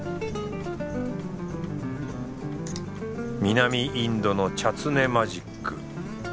南インドのチャツネマジック。